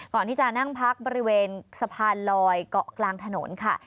ก่อนที่จะนั่งพักบริเวณสะพานลอยเกาะกลางถนนค่ะ